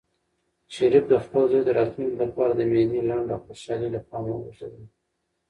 شریف د خپل زوی د راتلونکي لپاره د مېلې لنډه خوشحالي له پامه وغورځوله.